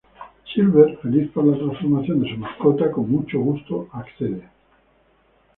Silver, feliz por la transformación de su mascota, con mucho gusto accede.